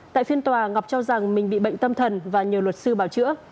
tại phiên tòa ngọc cho rằng mình bị bệnh tâm thần và nhờ luật sư bảo chữa